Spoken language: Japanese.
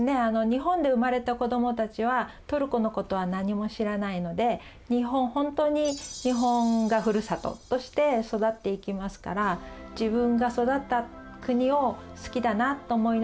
日本で生まれた子どもたちはトルコのことは何も知らないので本当に日本がふるさととして育っていきますから自分が育った国を好きだなと思いながら大人になってほしいし